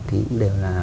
thì đều là